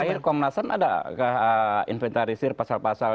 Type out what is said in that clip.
terakhir komnas ham ada inventarisir pasal pasal